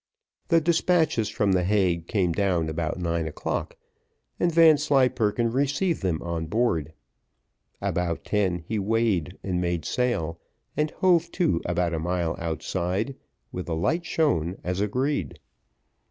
The despatches from the Hague came down about nine o'clock, and Vanslyperken received them on board. About ten, he weighed and made sail, and hove to about a mile outside, with a light shown as agreed.